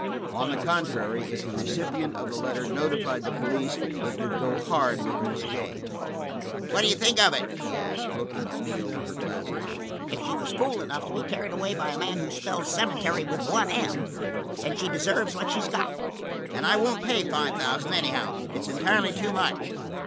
On the contrary, if the recipient of the letter notified the police, it would go hard with Miss Jane. "What do you think of it?" she asked, looking at me over her glasses. "If she was fool enough to be carried away by a man that spells cemetery with one m, she deserves what she's got. And I won't pay five thousand, anyhow, it's entirely too much."